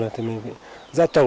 rồi mình phải dọn chuồng